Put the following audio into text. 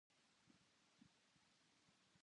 文章を入力してください